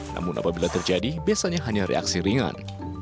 namun apabila terjadi biasanya hanya reaksi ringan